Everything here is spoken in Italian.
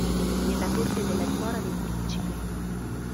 Nella corte della dimora del principe.